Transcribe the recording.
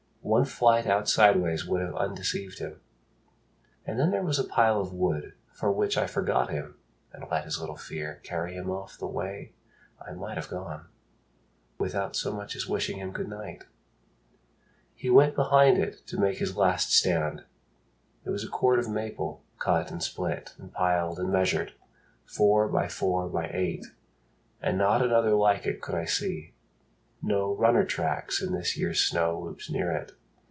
One flight out sideways would have undeceived him. And then there was a pile of wood for which I forgot him and let his little fear Carry him off the way I might have gone, Without so much as wishing him good night. He went behind it to make his last stand. It was a cord of maple, cut and split And piled and measured, four by four by eight. And not another like it could I see. No runner tracks in this year's snow looped near it.